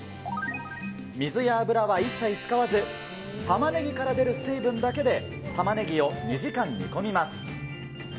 水や油は一切使わず、タマネギから出る水分だけで、玉ねぎを２時間煮込みます。